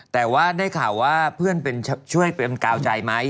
แต่ว่าได้ข่าวว่าเพื่อนช่วยเป็นกาวใจไหม